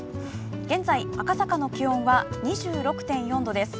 現在赤坂の気温は２６．４度です。